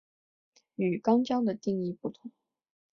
与肛交的定义不同。